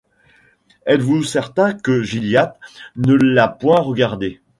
Êtes-vous certain que Gilliatt ne l’a point regardé?